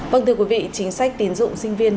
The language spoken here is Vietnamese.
vâng thưa quý vị chính sách tín dụng sinh viên